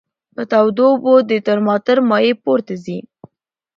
په تودو اوبو کې د ترمامتر مایع پورته ځي.